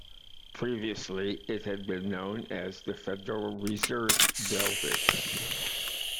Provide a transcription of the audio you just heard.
Previously it had been known as the Federal Reserve Building.